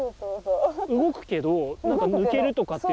動くけど抜けるとかって。